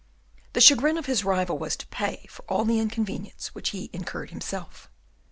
The chagrin of his rival was to pay for all the inconvenience which he incurred himself.